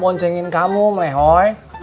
saya mau jalanin kamu melehoi